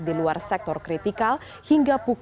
di luar sektor kritikal hingga pukul